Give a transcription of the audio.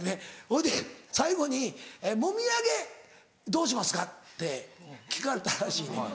ほいで最後に「もみ上げどうしますか？」って聞かれたらしいねん。